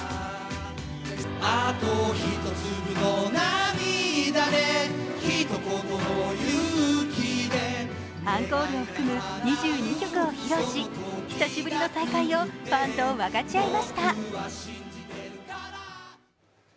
アンコールを含む２２曲を披露し、久しぶりの再会をファンと分かち合いました。